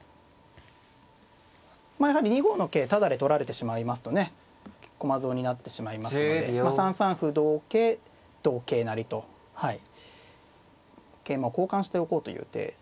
まあやはり２五の桂タダで取られてしまいますとね駒損になってしまいますので３三歩同桂同桂成と桂馬を交換しておこうという手ですね。